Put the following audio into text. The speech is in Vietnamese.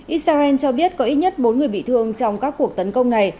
israel cho biết có ít nhất bốn người bị thương trong các cuộc tấn công này